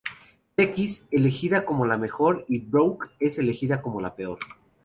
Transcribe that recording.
Becky s elegida como la mejor y Brooke es elegida como la peor.